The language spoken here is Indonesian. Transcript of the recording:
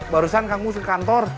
barusan kamu ke kantor